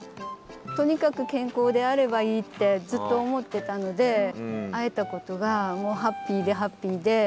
とにかく健康であればいいってずっと思ってたので会えたことがもうハッピーでハッピーで。